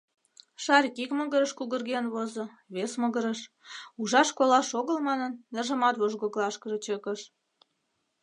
Шарик ик могырыш кугырген возо, вес могырыш, ужаш-колаш огыл манын, нержымат вожгоклашкыже чыкыш.